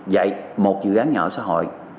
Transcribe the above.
vậy một dự án nhỏ xã hội